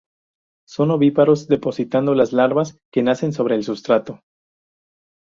Son ovíparos, depositando las larvas que nacen sobre el sustrato.